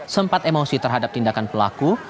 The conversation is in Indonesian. sempat emosi terhadap tindakan pelaku